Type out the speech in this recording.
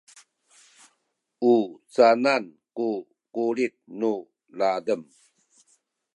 u canan ku kulit nu ladem?